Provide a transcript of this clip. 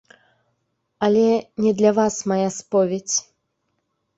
Але не для вас мая споведзь.